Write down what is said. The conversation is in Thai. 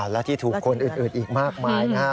และที่ถูกคนอื่นอีกมากมายนะครับ